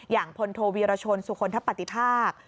พลโทวีรชนสุคลทปฏิภาค